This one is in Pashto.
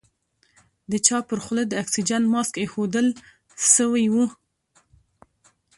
د چا پر خوله د اکسيجن ماسک ايښوول سوى و.